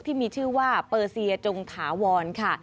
ที่มีชื่อว่าเปอร์เซียจงถาวรค่ะ